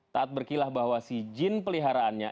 taat berkilah bahwa si jin peliharaannya